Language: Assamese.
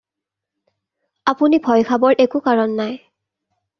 আপুনি ভয় খাবৰ একো কাৰণ নাই।